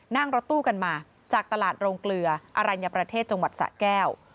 นั่งรถตู้กันมาจากตลาดโรงเกลืออรัญญประเทศจังหวัดสะแก้ว